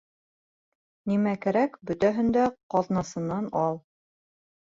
Нимә кәрәк, бөтәһен дә ҡаҙнасынан ал.